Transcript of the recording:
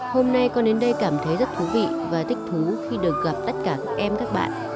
hôm nay con đến đây cảm thấy rất thú vị và thích thú khi được gặp tất cả các em các bạn